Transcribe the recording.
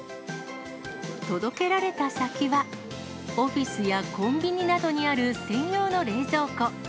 届けられた先は、オフィスやコンビニなどにある専用の冷蔵庫。